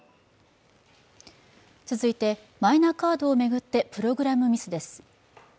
続いて、マイナカードを巡ってプログラムミスです。